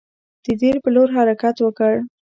د دیر پر لور حرکت وکړ.